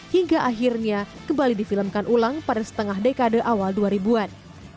hingga akhirnya kembali difilmkan ulang pada setengah dekade awal dua ribu an